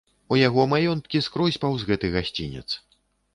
У яго маёнткі скрозь паўз гэты гасцінец.